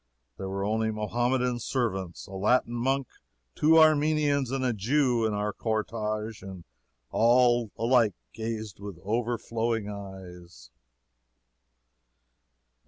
There were our Mohammedan servants, a Latin monk, two Armenians and a Jew in our cortege, and all alike gazed with overflowing eyes."